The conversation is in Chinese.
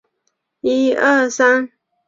颗粒牛蛭为医蛭科牛蛭属的动物。